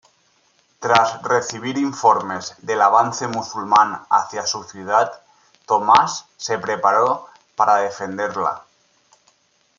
Tras recibir informes del avance musulmán hacia su ciudad, Tomás se preparó para defenderla.